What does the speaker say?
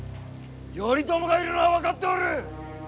頼朝がいるのは分かっておる。